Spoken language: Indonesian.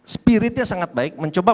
spiritnya sangat baik mencoba